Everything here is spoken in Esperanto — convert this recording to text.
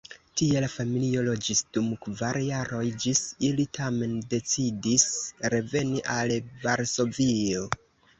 Tie la familio loĝis dum kvar jaroj, ĝis ili tamen decidis reveni al Varsovio.